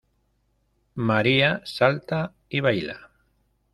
María salta y baila.